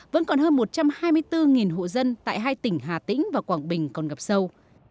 vẫn còn hơn một trăm hai mươi bốn hộ dân tại hai tỉnh hà tĩnh và quảng bình còn gặp sâu